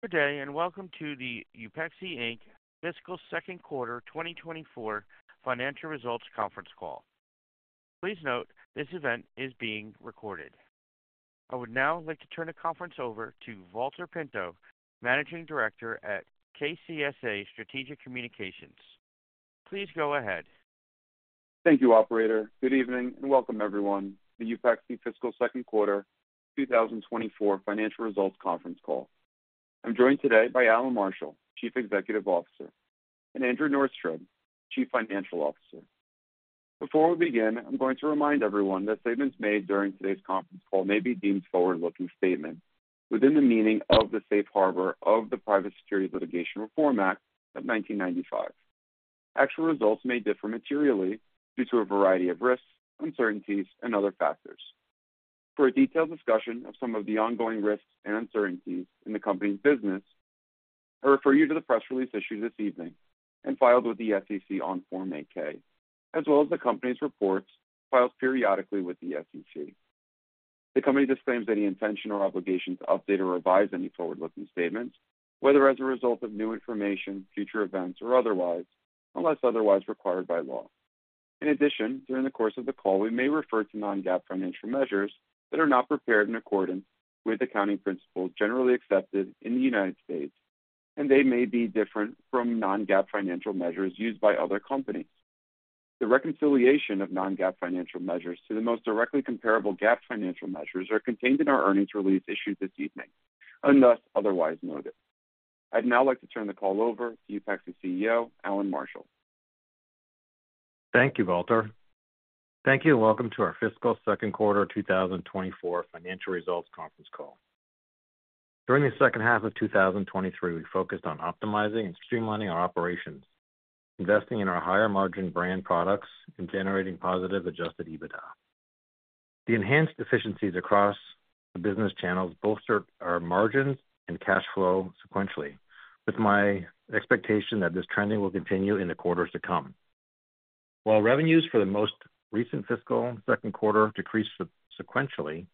Good day and welcome to the Upexi, Inc. fiscal second quarter 2024 financial results conference call. Please note this event is being recorded. I would now like to turn the conference over to Valter Pinto, Managing Director at KCSA Strategic Communications. Please go ahead. Thank you, Operator. Good evening and welcome, everyone, to the Upexi fiscal second quarter 2024 financial results conference call. I'm joined today by Allan Marshall, Chief Executive Officer, and Andrew Norstrud, Chief Financial Officer. Before we begin, I'm going to remind everyone that statements made during today's conference call may be deemed forward-looking statements within the meaning of the Safe Harbor of the Private Securities Litigation Reform Act of 1995. Actual results may differ materially due to a variety of risks, uncertainties, and other factors. For a detailed discussion of some of the ongoing risks and uncertainties in the company's business, I refer you to the press release issued this evening and filed with the SEC on Form 8-K, as well as the company's reports filed periodically with the SEC. The company disclaims any intention or obligation to update or revise any forward-looking statements, whether as a result of new information, future events, or otherwise, unless otherwise required by law. In addition, during the course of the call, we may refer to non-GAAP financial measures that are not prepared in accordance with accounting principles generally accepted in the United States, and they may be different from non-GAAP financial measures used by other companies. The reconciliation of non-GAAP financial measures to the most directly comparable GAAP financial measures are contained in our earnings release issued this evening and thus otherwise noted. I'd now like to turn the call over to Upexi CEO Allan Marshall. Thank you, Valter. Thank you and welcome to our fiscal second quarter 2024 financial results conference call. During the second half of 2023, we focused on optimizing and streamlining our operations, investing in our higher-margin brand products, and generating positive Adjusted EBITDA. The enhanced efficiencies across the business channels bolstered our margins and cash flow sequentially, with my expectation that this trending will continue in the quarters to come. While revenues for the most recent fiscal second quarter decreased sequentially,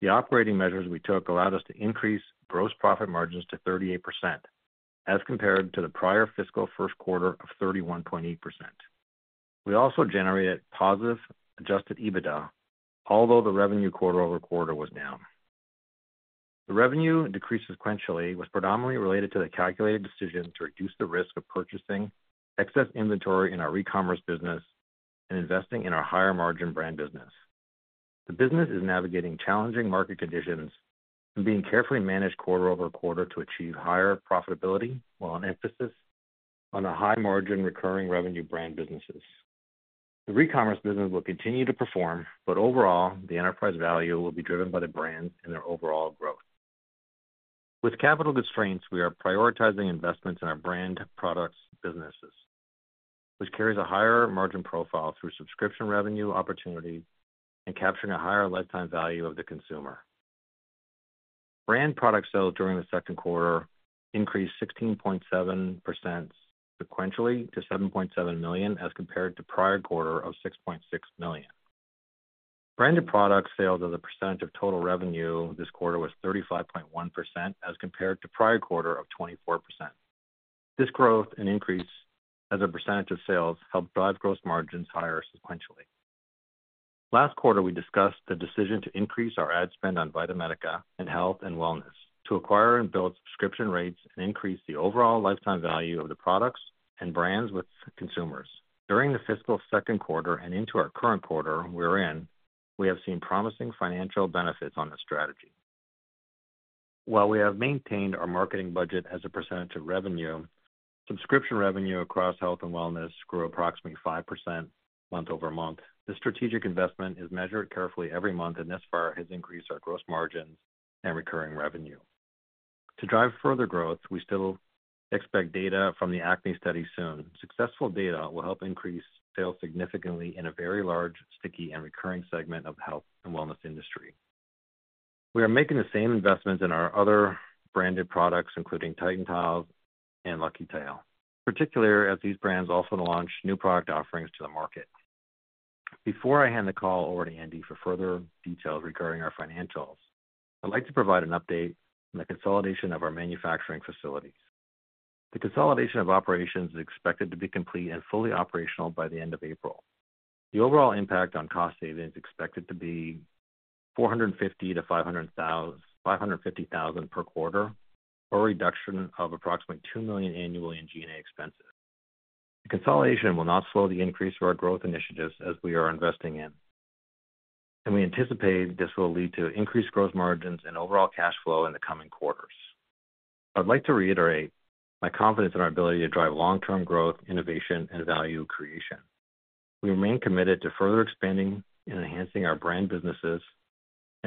the operating measures we took allowed us to increase gross profit margins to 38% as compared to the prior fiscal first quarter of 31.8%. We also generated positive Adjusted EBITDA, although the revenue quarter-over-quarter was down. The revenue decrease sequentially was predominantly related to the calculated decision to reduce the risk of purchasing excess inventory in our e-commerce business and investing in our higher-margin brand business. The business is navigating challenging market conditions and being carefully managed quarter over quarter to achieve higher profitability while an emphasis on the high-margin recurring revenue brand businesses. The e-commerce business will continue to perform, but overall, the enterprise value will be driven by the brands and their overall growth. With capital constraints, we are prioritizing investments in our brand products businesses, which carries a higher margin profile through subscription revenue opportunities and capturing a higher lifetime value of the consumer. Brand product sales during the second quarter increased 16.7% sequentially to $7.7 million as compared to prior quarter of $6.6 million. Branded product sales as a percentage of total revenue this quarter was 35.1% as compared to prior quarter of 24%. This growth and increase as a percentage of sales helped drive gross margins higher sequentially. Last quarter, we discussed the decision to increase our ad spend on VitaMedica and health and wellness to acquire and build subscription rates and increase the overall lifetime value of the products and brands with consumers. During the fiscal second quarter and into our current quarter we're in, we have seen promising financial benefits on this strategy. While we have maintained our marketing budget as a percentage of revenue, subscription revenue across health and wellness grew approximately 5% month-over-month. This strategic investment is measured carefully every month, and thus far has increased our gross margins and recurring revenue. To drive further growth, we still expect data from the acne study soon. Successful data will help increase sales significantly in a very large, sticky, and recurring segment of the health and wellness industry. We are making the same investments in our other branded products, including Tytan Tiles and LuckyTail, particularly as these brands often launch new product offerings to the market. Before I hand the call over to Andy for further details regarding our financials, I'd like to provide an update on the consolidation of our manufacturing facilities. The consolidation of operations is expected to be complete and fully operational by the end of April. The overall impact on cost savings is expected to be $450,000-$550,000 per quarter, a reduction of approximately $2 million annually in G&A expenses. The consolidation will not slow the increase of our growth initiatives as we are investing in, and we anticipate this will lead to increased gross margins and overall cash flow in the coming quarters. I would like to reiterate my confidence in our ability to drive long-term growth, innovation, and value creation. We remain committed to further expanding and enhancing our brand businesses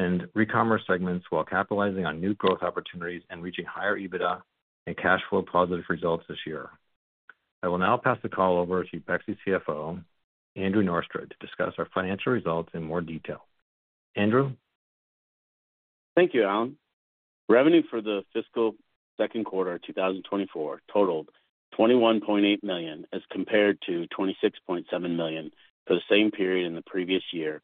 and e-commerce segments while capitalizing on new growth opportunities and reaching higher EBITDA and cash flow positive results this year. I will now pass the call over to Upexi CFO Andrew Norstrud to discuss our financial results in more detail. Andrew? Thank you, Allan. Revenue for the fiscal second quarter 2024 totaled $21.8 million as compared to $26.7 million for the same period in the previous year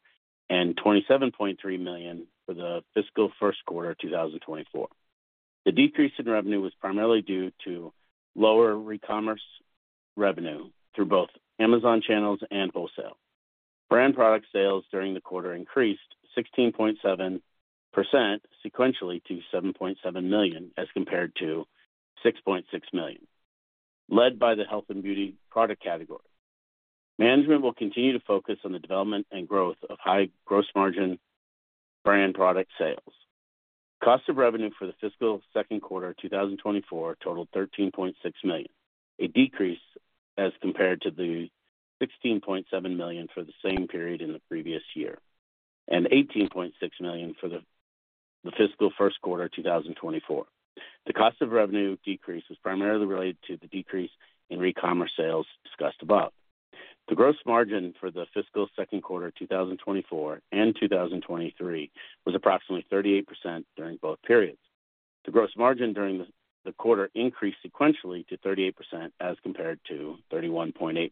and $27.3 million for the fiscal first quarter 2024. The decrease in revenue was primarily due to lower e-commerce revenue through both Amazon channels and wholesale. Brand product sales during the quarter increased 16.7% sequentially to $7.7 million as compared to $6.6 million, led by the health and beauty product category. Management will continue to focus on the development and growth of high-gross margin brand product sales. Cost of revenue for the fiscal second quarter 2024 totaled $13.6 million, a decrease as compared to the $16.7 million for the same period in the previous year and $18.6 million for the fiscal first quarter 2024. The cost of revenue decrease was primarily related to the decrease in e-commerce sales discussed above. The gross margin for the fiscal second quarter 2024 and 2023 was approximately 38% during both periods. The gross margin during the quarter increased sequentially to 38% as compared to 31.8%.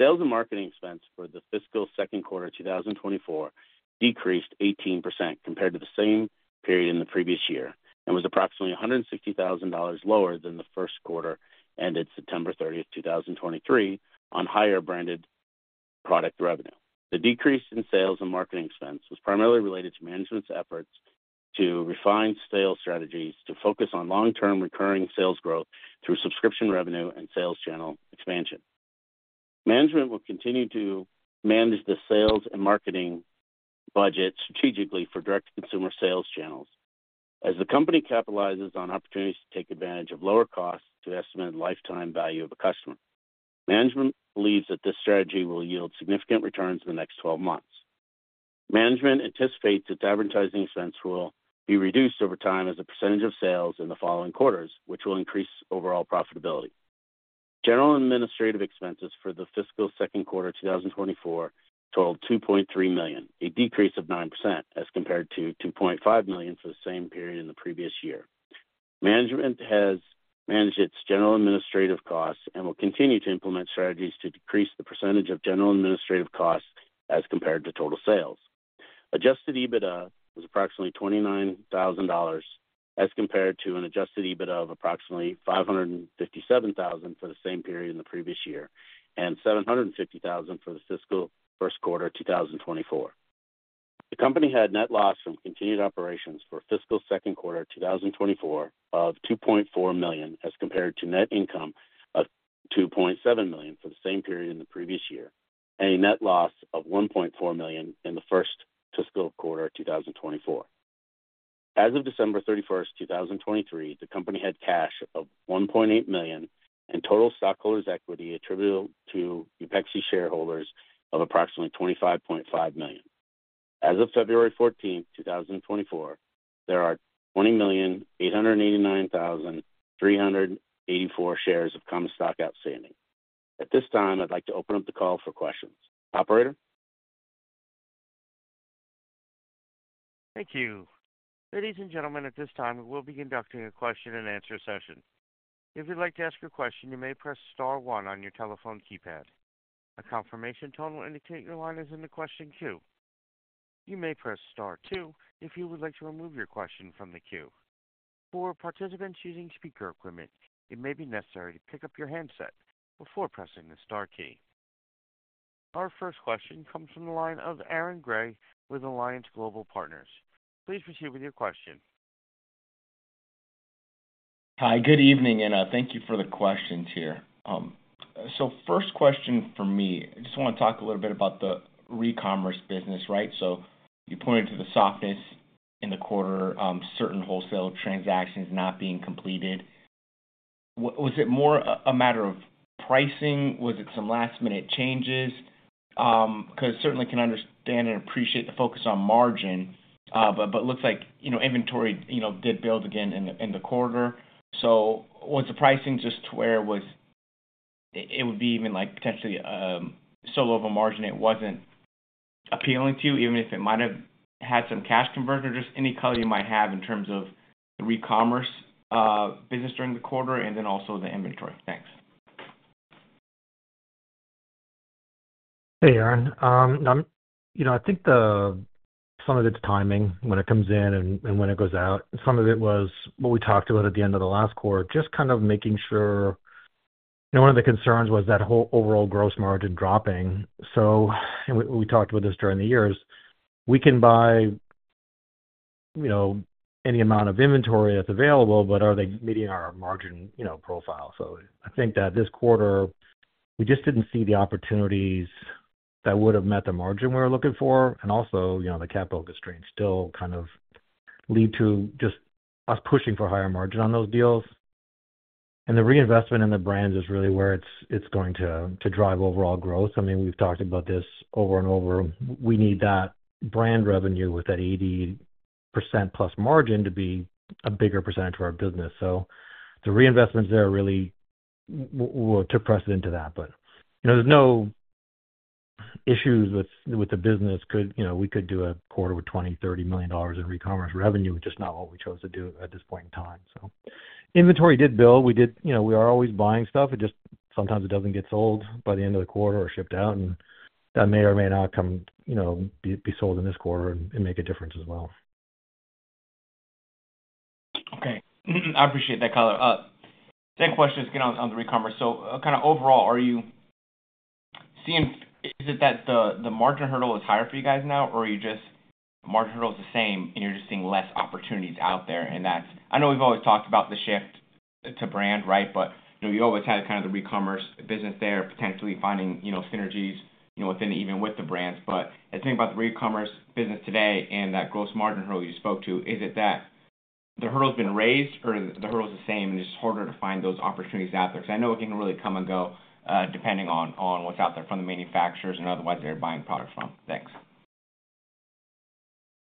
Sales and marketing expense for the fiscal second quarter 2024 decreased 18% compared to the same period in the previous year and was approximately $160,000 lower than the first quarter ended September 30th, 2023, on higher branded product revenue. The decrease in sales and marketing expense was primarily related to management's efforts to refine sales strategies to focus on long-term recurring sales growth through subscription revenue and sales channel expansion. Management will continue to manage the sales and marketing budget strategically for direct-to-consumer sales channels as the company capitalizes on opportunities to take advantage of lower costs to estimate the lifetime value of a customer. Management believes that this strategy will yield significant returns in the next 12 months. Management anticipates its advertising expense will be reduced over time as a percentage of sales in the following quarters, which will increase overall profitability. General administrative expenses for the fiscal second quarter 2024 totaled $2.3 million, a decrease of 9% as compared to $2.5 million for the same period in the previous year. Management has managed its general administrative costs and will continue to implement strategies to decrease the percentage of general administrative costs as compared to total sales. Adjusted EBITDA was approximately $29,000 as compared to an adjusted EBITDA of approximately $557,000 for the same period in the previous year and $750,000 for the fiscal first quarter 2024. The company had net loss from continued operations for fiscal second quarter 2024 of $2.4 million as compared to net income of $2.7 million for the same period in the previous year and a net loss of $1.4 million in the first fiscal quarter 2024. As of December 31st, 2023, the company had cash of $1.8 million and total stockholders' equity attributable to Upexi shareholders of approximately $25.5 million. As of February 14th, 2024, there are 20,889,384 shares of Common Stock outstanding. At this time, I'd like to open up the call for questions. Operator? Thank you. Ladies and gentlemen, at this time, we will be conducting a question-and-answer session. If you'd like to ask a question, you may press star one on your telephone keypad. A confirmation tone will indicate your line is in the question queue. You may press star two if you would like to remove your question from the queue. For participants using speaker equipment, it may be necessary to pick up your handset before pressing the star key. Our first question comes from the line of Aaron Grey with Alliance Global Partners. Please proceed with your question. Hi. Good evening, and thank you for the questions here. So first question for me, I just want to talk a little bit about the e-commerce business, right? So you pointed to the softness in the quarter, certain wholesale transactions not being completed. Was it more a matter of pricing? Was it some last-minute changes? Because certainly, I can understand and appreciate the focus on margin, but it looks like inventory did build again in the quarter. So was the pricing just to where it would be even potentially so low of a margin it wasn't appealing to you, even if it might have had some cash conversion or just any color you might have in terms of the e-commerce business during the quarter and then also the inventory? Thanks. Hey, Aaron. I think some of it's timing when it comes in and when it goes out. Some of it was what we talked about at the end of the last quarter, just kind of making sure one of the concerns was that whole overall gross margin dropping. And we talked about this during the years. We can buy any amount of inventory that's available, but are they meeting our margin profile? So I think that this quarter, we just didn't see the opportunities that would have met the margin we were looking for. And also, the capital constraints still kind of lead to just us pushing for higher margin on those deals. And the reinvestment in the brands is really where it's going to drive overall growth. I mean, we've talked about this over and over. We need that brand revenue with that 80%+ margin to be a bigger percentage of our business. So the reinvestments there really took precedence to that. But there's no issues with the business. We could do a quarter with $20 million-$30 million in e-commerce revenue, which is not what we chose to do at this point in time. So inventory did build. We are always buying stuff. It just sometimes it doesn't get sold by the end of the quarter or shipped out. And that may or may not come be sold in this quarter and make a difference as well. Okay. I appreciate that color. Same question, just again on the e-commerce. So kind of overall, are you seeing is it that the margin hurdle is higher for you guys now, or are you just margin hurdle is the same, and you're just seeing less opportunities out there? And I know we've always talked about the shift to brand, right? But you always had kind of the e-commerce business there, potentially finding synergies even with the brands. But as I think about the e-commerce business today and that gross margin hurdle you spoke to, is it that the hurdle's been raised, or the hurdle's the same, and it's just harder to find those opportunities out there? Because I know it can really come and go depending on what's out there from the manufacturers and otherwise they're buying products from. Thanks.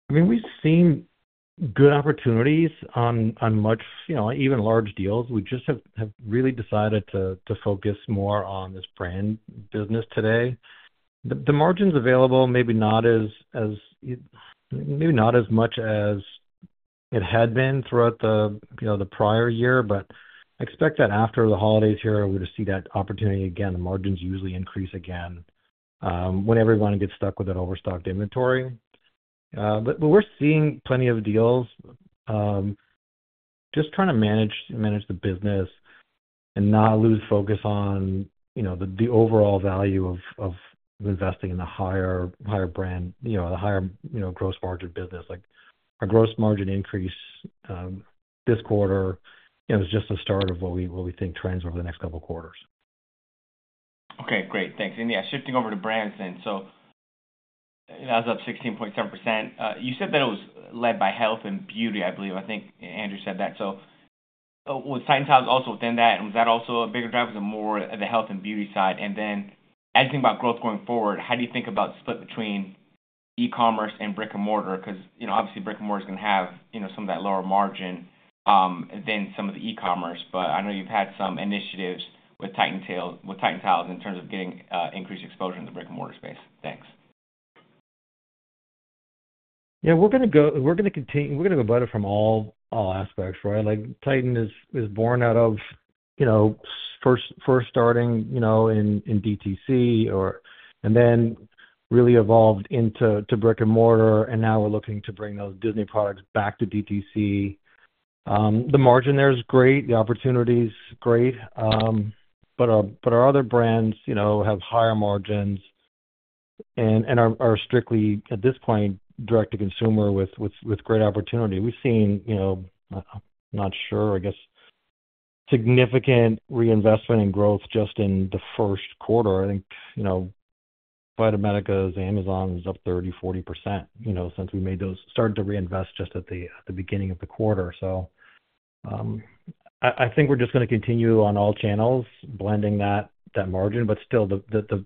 I mean, we've seen good opportunities on even large deals. We just have really decided to focus more on this brand business today. The margins available, maybe not as much as it had been throughout the prior year. But I expect that after the holidays here, we're going to see that opportunity again. The margins usually increase again when everyone gets stuck with that overstocked inventory. But we're seeing plenty of deals. Just trying to manage the business and not lose focus on the overall value of investing in the higher brand, the higher gross margin business. Our gross margin increase this quarter is just the start of what we think trends over the next couple of quarters. Okay. Great. Thanks. And yeah, shifting over to brands then. So that was up 16.7%. You said that it was led by health and beauty, I believe. I think Andrew said that. So was Titan Tiles also within that? And was that also a bigger drive? Was it more the health and beauty side? And then as you think about growth going forward, how do you think about the split between e-commerce and brick and mortar? Because obviously, brick and mortar is going to have some of that lower margin than some of the e-commerce. But I know you've had some initiatives with Titan Tiles in terms of getting increased exposure in the brick and mortar space. Thanks. Yeah. We're going to continue to go better from all aspects, right? Titan is born out of first starting in DTC and then really evolved into brick and mortar. And now we're looking to bring those Disney products back to DTC. The margin there is great. The opportunity is great. But our other brands have higher margins and are strictly, at this point, direct-to-consumer with great opportunity. We've seen, I'm not sure, I guess, significant reinvestment and growth just in the first quarter. I think VitaMedica's and Amazon's up 30%-40% since we made those started to reinvest just at the beginning of the quarter. So I think we're just going to continue on all channels, blending that margin. But still, the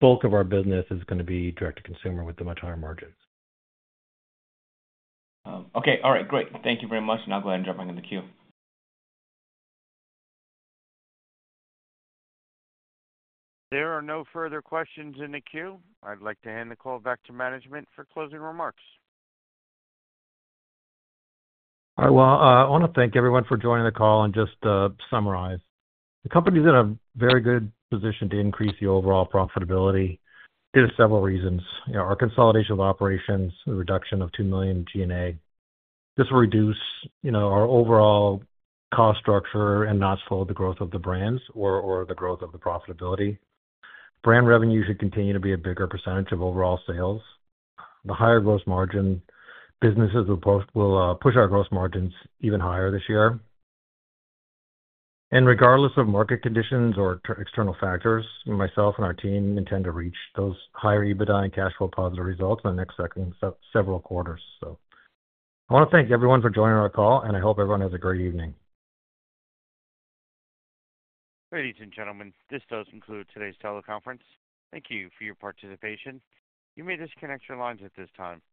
bulk of our business is going to be direct-to-consumer with the much higher margins. Okay. All right. Great. Thank you very much. I'll go ahead and jump back in the queue. There are no further questions in the queue. I'd like to hand the call back to management for closing remarks. All right. Well, I want to thank everyone for joining the call and just summarize. The company's in a very good position to increase the overall profitability due to several reasons. Our consolidation of operations, the reduction of $2 million G&A, this will reduce our overall cost structure and not slow the growth of the brands or the growth of the profitability. Brand revenue should continue to be a bigger percentage of overall sales. The higher gross margin, businesses will push our gross margins even higher this year. And regardless of market conditions or external factors, myself and our team intend to reach those higher EBITDA and cash flow positive results in the next several quarters. So I want to thank everyone for joining our call, and I hope everyone has a great evening. Ladies and gentlemen, this does conclude today's teleconference. Thank you for your participation. You may disconnect your lines at this time.